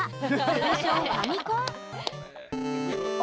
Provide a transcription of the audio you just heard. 通称ファミコン。